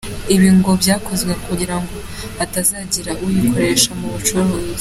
Ibi ngo byakozwe kugira ngo hatazagira uyakoresha mu bucuruzi.